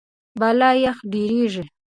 بالا یخ ډېریږي.